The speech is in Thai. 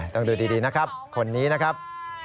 ต้องดูดีนะครับคนนี้นะครับ